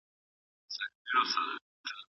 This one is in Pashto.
ایا ته نوي تخنیکونه کارولی سې؟